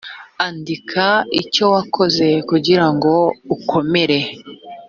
andika icyo wakora kugirango ukomere